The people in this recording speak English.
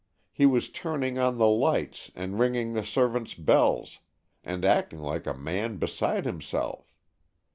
He was turning on the lights and ringing the servants' bells and acting like a man beside himself.